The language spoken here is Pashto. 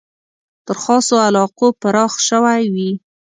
تر خاصو علاقو پراخ شوی وي.